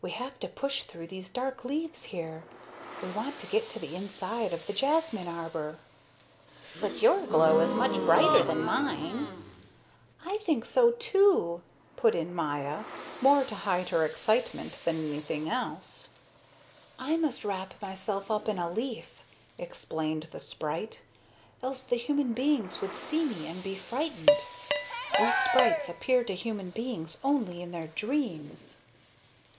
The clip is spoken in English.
We have to push through these dark leaves here; we want to get to the inside of the jasmine arbor." "But your glow is much brighter than mine." "I think so, too," put in Maya, more to hide her excitement than anything else. "I must wrap myself up in a leaf," explained the sprite, "else the human beings would see me and be frightened. We sprites appear to human beings only in their dreams."